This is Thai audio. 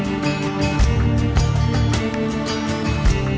ซึ่งถ้าต้องคุณกำลังเย็น